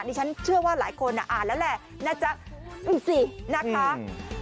นี่ฉันเชื่อว่าหลายคนอ่ะอ่านแล้วแหละนะจ๊ะอืมสินะครับ